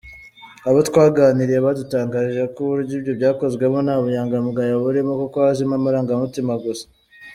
Abo twaganiriye badutangarije ko uburyo ibyo byakozwemo nta bunyangamugayo burimo, kuko hajemo amarangamutima gusa.